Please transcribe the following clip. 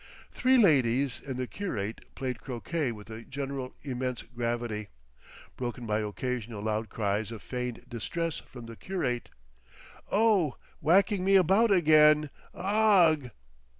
Three ladies and the curate played croquet with a general immense gravity, broken by occasional loud cries of feigned distress from the curate. "Oh! Whacking me about again! Augh!"